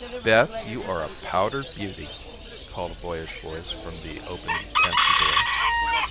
"Beth, you are a powdered beauty," called a boyish voice from the open pantry door.